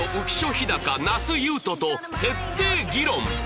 飛貴那須雄登と徹底議論！